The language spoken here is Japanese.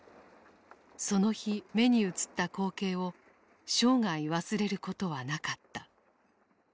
その日目に映った光景を生涯忘れることはなかった。